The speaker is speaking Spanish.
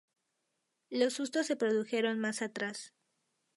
Los sustos se produjeron más atrás.